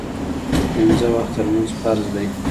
پینځه وخته لمونځ فرض دی